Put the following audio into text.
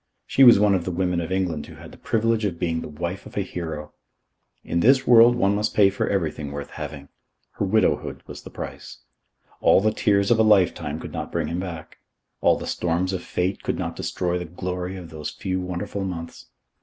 She was one of the women of England who had the privilege of being the wife of a hero. In this world one must pay for everything worth having. Her widowhood was the price. All the tears of a lifetime could not bring him back. All the storms of fate could not destroy the glory of those few wonderful months.